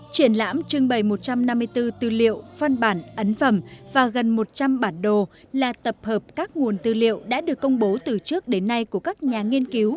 triển lãm trưng bày một trăm năm mươi bốn tư liệu phân bản ấn phẩm và gần một trăm linh bản đồ là tập hợp các nguồn tư liệu đã được công bố từ trước đến nay của các nhà nghiên cứu